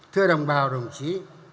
thưa đồng bào đồng chí